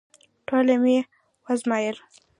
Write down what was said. ټوله مي وازمایل …